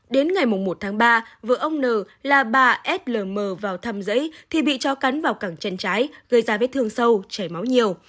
đến ngày một tháng ba vợ ông n là bà s l m vào thăm giấy thì bị chó cắn vào cẳng chân trái gây ra vết thương sâu chảy máu nhiều